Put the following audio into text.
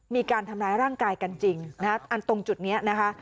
มีการทำร้ายร่างกายกันจริงนะคะอันตรงจุดนี้นะคะ